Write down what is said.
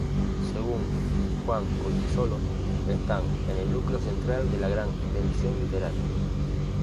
Según Juan Goytisolo, están en "el núcleo central de la gran invención literaria".